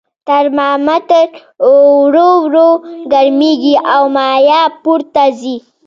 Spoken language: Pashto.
ترمامتر ورو ورو ګرمیږي او مایع پورته ځي.